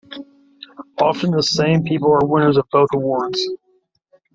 Often the same people are winners of both awards.